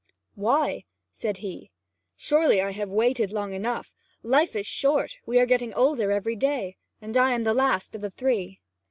'Why?' said he. 'Surely I have waited long! Life is short; we are getting older every day, and I am the last of the three.'